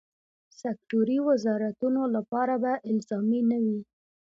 سکټوري وزارتونو لپاره به الزامي نه وي.